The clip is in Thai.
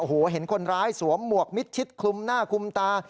โอ้โหเห็นคนร้ายสวมหมวกมิดชิดคลุมหน้าคลุมตา